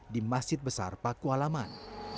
di masjid besar paku alaman